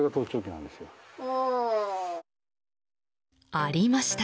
ありました。